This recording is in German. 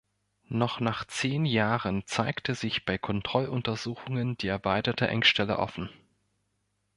Noch nach zehn Jahren zeigte sich bei Kontrolluntersuchungen die erweiterte Engstelle offen.